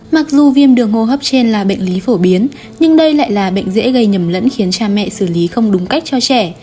mặc dù viêm đường hô hấp trên là bệnh lý phổ biến nhưng đây lại là bệnh dễ gây nhầm lẫn khiến cha mẹ xử lý không đúng cách cho trẻ